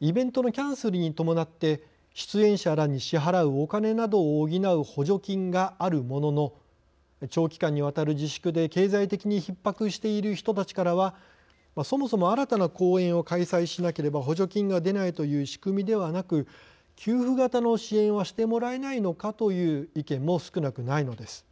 イベントのキャンセルに伴って出演者らに支払うお金などを補う補助金があるものの長期間にわたる自粛で経済的にひっ迫している人たちからは「そもそも新たな公演を開催しなければ補助金が出ないという仕組みではなく給付型の支援はしてもらえないのか」という意見も少なくないのです。